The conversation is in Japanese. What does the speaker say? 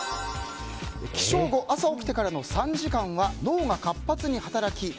起床後、朝起きてからの３時間は脳が活発に働き